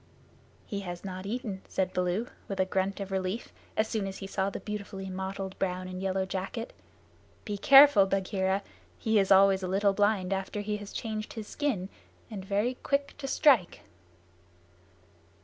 "He has not eaten," said Baloo, with a grunt of relief, as soon as he saw the beautifully mottled brown and yellow jacket. "Be careful, Bagheera! He is always a little blind after he has changed his skin, and very quick to strike."